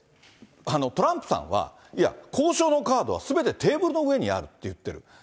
トランプさんは、交渉のカードはすべてテーブルの上にあると言ってる。